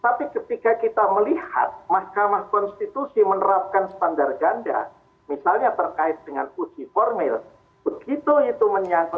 tapi ketika kita melihat mahkamah konstitusi menerapkan standar ganda misalnya terkait dengan uji formil begitu itu menyangkut